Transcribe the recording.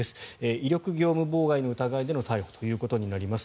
威力業務妨害の疑いでの逮捕ということになります。